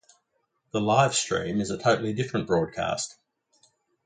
The live stream is a totally different broadcast.